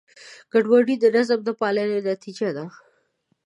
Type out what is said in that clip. ګډوډي د نظم د نهپالنې نتیجه ده.